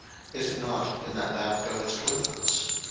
is it not in that thou goest with us?